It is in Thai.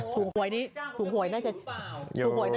ถุงหวยนี่